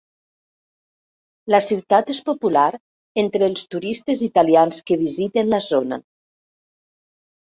La ciutat és popular entre els turistes italians que visiten la zona.